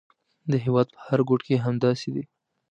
د هېواد په هر ګوټ کې همداسې دي.